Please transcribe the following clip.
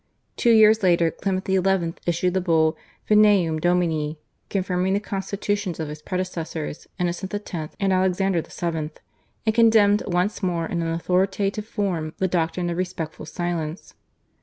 Two years later Clement XI. issued the bull /Vineam Domini/, confirming the constitutions of his predecessors, Innocent X. and Alexander VII., and condemned once more in an authoritative form the doctrine of respectful silence.